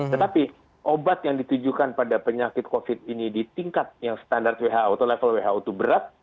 tetapi obat yang ditujukan pada penyakit covid ini di tingkat yang standar who atau level who itu berat